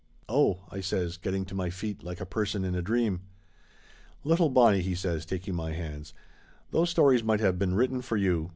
"Oh !" I says, getting to my feet like a person in a dream. "Little Bonnie," he says, taking my hands, "those stories might have been written for you.